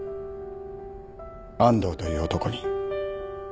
安藤という男に